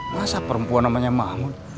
masa perempuan namanya mahmud